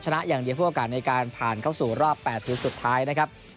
ชนะอย่างเดียวเพื่อโอกาสในการผ่านเข้าสู่รอบ๘ทีมสุดท้ายนะครับ